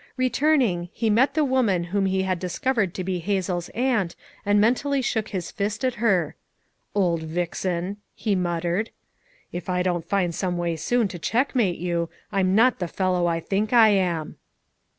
Returning, he met the woman whom he had discovered to he Hazel's aunt and mentally shook his fist at her. "Old vixen!" he mut tered. "If I don't find some way soon to checkmate you I'm not the fellow I think I am."